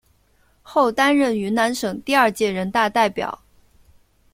后担任云南省第二届人大代表。